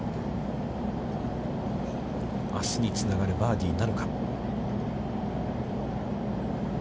あすにつながるバーディーになるか。